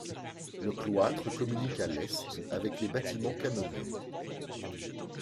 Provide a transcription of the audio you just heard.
Le cloître communique à l'est avec les bâtiments canoniaux.